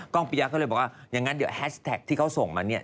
ปิยะก็เลยบอกว่าอย่างนั้นเดี๋ยวแฮชแท็กที่เขาส่งมาเนี่ย